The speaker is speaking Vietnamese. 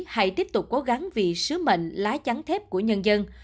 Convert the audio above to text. hãy tiếp tục cố gắng vì sứ mệnh lá chắn thép của nhân dân